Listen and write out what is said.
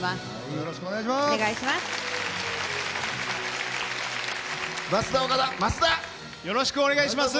よろしくお願いします。